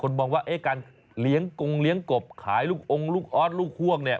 หลายคนมองว่าการเลี้ยงกงเลี้ยงกบขายลูกองลูกออสลูกห่วงเนี่ย